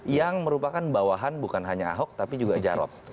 yang merupakan bawahan bukan hanya ahok tapi juga jarot